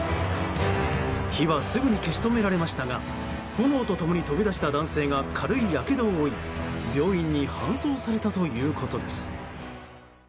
火はすぐに消し止められましたが炎と共に飛び出した男性が軽いやけどを負い病院に搬送されたということです。